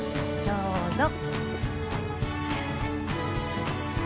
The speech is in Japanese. どうぞ。